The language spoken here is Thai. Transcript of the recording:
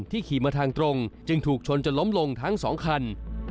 ขี่มาทางตรงจึงถูกชนจนล้มลงทั้งสองคัน